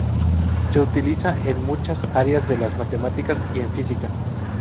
Se utiliza en muchas áreas de las matemáticas y en física.